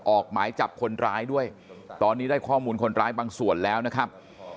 ออกหมายจับคนร้ายด้วยตอนนี้ได้ข้อมูลคนร้ายบางส่วนแล้วนะครับ